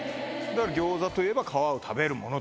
餃子といえば皮を食べるもの